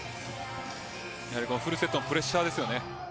フルセットのプレッシャーですよね。